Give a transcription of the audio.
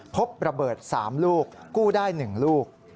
พบระเบิด๓ลูกกู้ได้๑ลูก